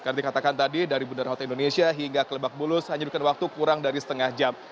karena dikatakan tadi dari bunda rahota indonesia hingga kelebak bulus hanya dikendalikan waktu kurang dari setengah jam